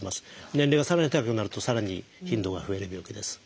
年齢がさらに高くなるとさらに頻度が増える病気です。